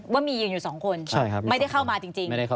ว่ามียืนอยู่๒คนไม่ได้เข้ามาจริง